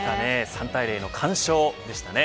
３対０の完勝でしたね。